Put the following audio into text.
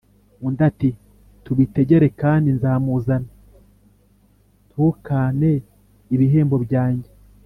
undi ati: «tubitegere, kandi nzamuzana nkukane ibihembo byange.»